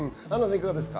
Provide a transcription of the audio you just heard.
いかがですか？